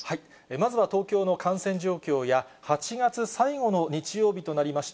まずは東京の感染状況や、８月最後の日曜日となりました